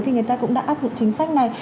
thì người ta cũng đã áp dụng chính sách này